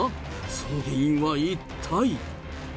その原因は一体。